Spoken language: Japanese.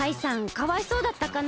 かわいそうだったかな？